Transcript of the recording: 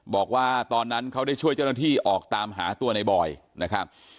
บอกว่าตอนนั้นเขาได้ช่วยเจ้าหน้าที่ออกตามหาตัวในบอยนะครับ